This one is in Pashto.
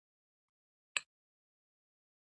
د بوهم پټ متغیر تیوري وه.